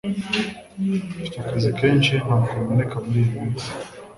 mfite akazi keshi ntabwo mboneka muriyi minsi